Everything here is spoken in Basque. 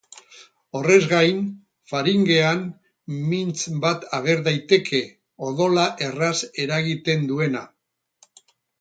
Horrez gain, faringean mintz bat ager daiteke, odola erraz eragiten duena.